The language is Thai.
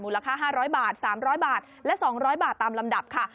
ค่า๕๐๐บาท๓๐๐บาทและ๒๐๐บาทตามลำดับค่ะ